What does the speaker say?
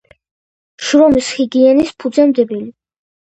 შრომის ჰიგიენის ფუძემდებელი.